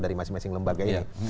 dari masing masing lembaga ini